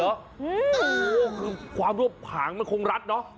ขนาดนี้เลยเหรอโอ้โหคือความร่วมผ่างมันคงรัดเนอะ